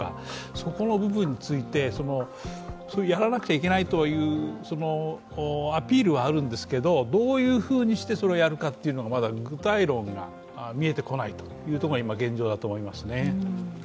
そこの部分についてやらなくちゃいけないというアピールはあるんですけど、どういうふうにしてそれをやるかというのは、まだ具体論が見えてこないというところが現状だと思いますね。